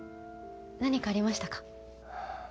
何かありましたか？